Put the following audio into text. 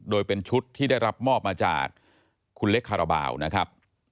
โดยเป็นชุดที่ได้รับมอบมาจากคุณเล็กคาราบาลนะครับ